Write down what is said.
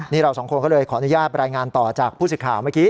นี่เราสองคนก็เลยขออนุญาตรายงานต่อจากผู้สิทธิ์ข่าวเมื่อกี้